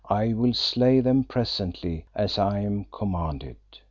I will slay them presently, as I am commanded.